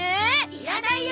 いらないよ！